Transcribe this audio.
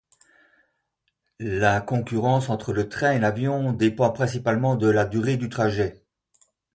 La concurrence entre le train et l'avion dépend principalement de la durée du trajet.